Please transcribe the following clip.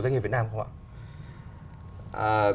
doanh nghiệp việt nam không ạ